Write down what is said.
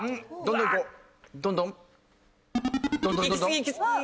どんどんどんどん。